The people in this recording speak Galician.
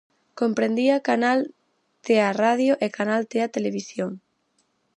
Comprendía Canal Tea Radio e Canal Tea Televisión.